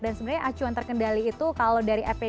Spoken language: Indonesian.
dan sebenarnya acuan terkendali itu kalau dari epidemiolog ini